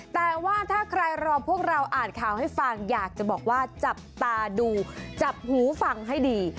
แต่ว่าถ้าใครรอพวกเราอ่านข่าวให้ฟังอยากจะบอกว่าจับตาดูจับหูฟังให้ดี